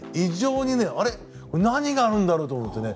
異常に何があるんだろうと思ってね